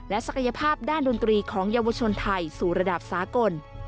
ศักยภาพด้านดนตรีของเยาวชนไทยสู่ระดับสากล